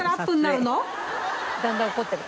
だんだん怒ってる。